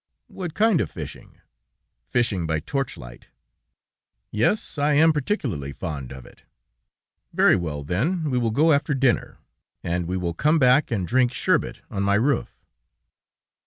"What kind of fishing?" "Fishing by torchlight." "Yes, I am particularly fond of it." "Very well, then, we will go after dinner, and we will come back and drink sherbet on my roof."